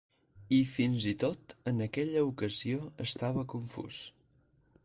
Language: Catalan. I fins-i-tot en aquella ocasió estava confús.